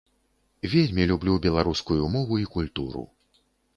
Вельмі люблю беларускую мову і культуру.